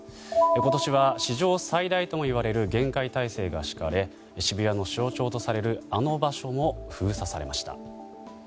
今年は史上最大ともいわれる厳戒態勢が敷かれ渋谷の象徴とされるあの場所も封鎖されました。